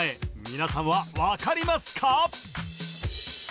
皆さんは分かりますか？